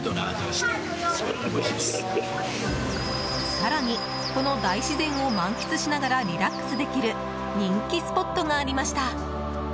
更に、この大自然を満喫しながらリラックスできる人気スポットがありました。